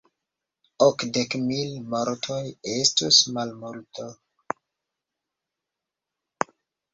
Okdek mil mortoj estus malmulto.